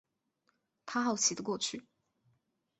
他好奇的过去